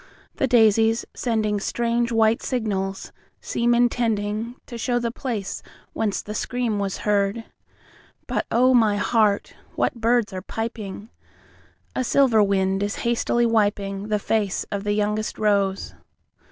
The daisies, sendingStrange white signals, seem intendingTo show the place whence the scream was heard. But, oh, my heart, what birds are piping!A silver wind is hastily wipingThe face of the youngest rose.